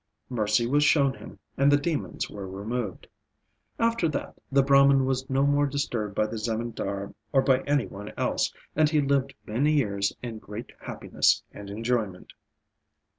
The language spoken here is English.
Mercy was shown him, and the demons were removed. After that the Brahman was no more disturbed by the Zemindar or by any one else; and he lived many years in great happiness and enjoyment.